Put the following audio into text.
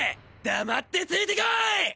黙ってついて来い！